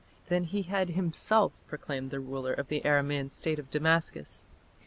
Then he had himself proclaimed the ruler of the Aramaean State of Damascus.